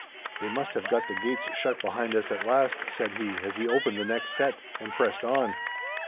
"They must have got the gates shut behind us at last," said he, as he opened the next set and pressed on.